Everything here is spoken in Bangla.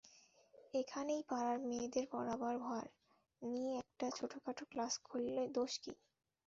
এখানেই পাড়ার মেয়েদের পড়াবার ভার নিয়ে একটা ছোটোখাটো ক্লাস খুললে দোষ কী।